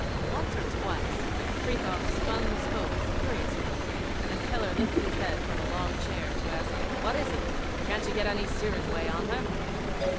Once or twice Frithiof spun the spokes curiously, and Keller lifted his head from a long chair to ask, 'What is it? Can't you get any steerage way on her?'